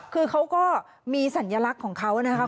คือเขาก็มีสัญลักษณ์ของเขานะครับ